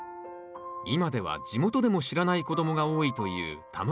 今では地元でも知らない子供が多いという田村かぶ。